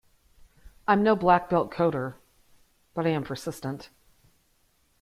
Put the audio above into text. I'm no black belt coder but I am persistent.